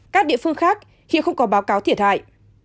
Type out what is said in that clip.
các địa phương khác khi không có báo cáo thiệt hại